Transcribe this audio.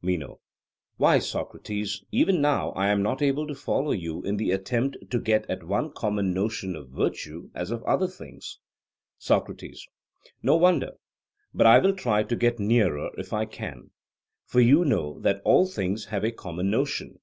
MENO: Why, Socrates, even now I am not able to follow you in the attempt to get at one common notion of virtue as of other things. SOCRATES: No wonder; but I will try to get nearer if I can, for you know that all things have a common notion.